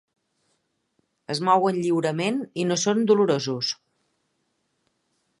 Es mouen lliurement i no són dolorosos.